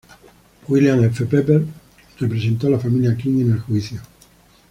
William F. Pepper representó a la familia King en el juicio.